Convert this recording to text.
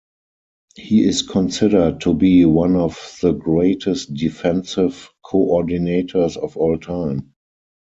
He is considered to be one of the greatest defensive coordinators of all time.